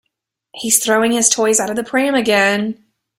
He’s throwing his toys out the pram again